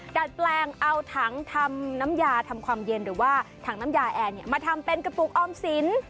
ดัดแปลงเอาถังทำน้ำยาทำความเย็นหรือว่าถังน้ำยาแอร์มาทำเป็นกระปุกออมสิน